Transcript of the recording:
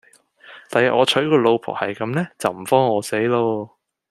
第日我娶個老婆係咁呢就唔慌餓死咯